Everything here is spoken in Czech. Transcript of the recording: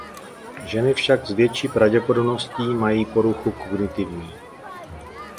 Ženy však s větší pravděpodobností mají poruchu kognitivní.